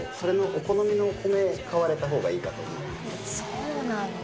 そうなんだ。